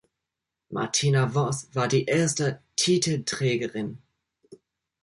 Martina Voss war die erste Titelträgerin.